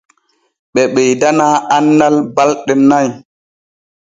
Ɓe ɓeydana annal ɓalɗe nay.